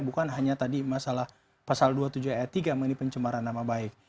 bukan hanya tadi masalah pasal dua puluh tujuh ayat tiga mengenai pencemaran nama baik